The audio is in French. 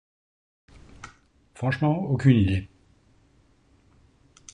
Franchement, aucune idée.